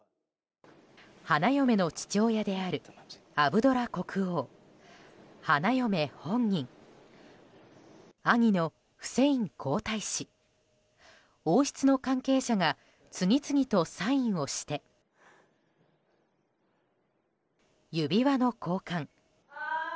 花嫁の父親であるアブドラ国王花嫁本人兄のフセイン皇太子王室の関係者が次々とサインをして指輪の交換。